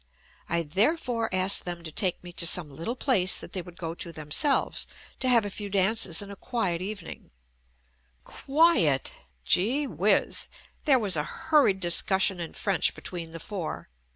I therefore asked them to take me to some little place that they would go to JUST ME themselves to have a few dances and a quiet evening — QUIET? Gee whiz! There was a hurried discussion in French between the four.